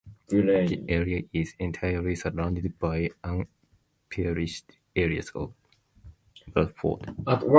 The area is entirely surrounded by unparished areas of Bradford.